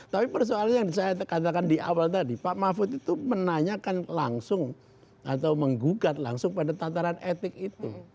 tapi persoalan yang saya katakan di awal tadi pak mahfud itu menanyakan langsung atau menggugat langsung pada tataran etik itu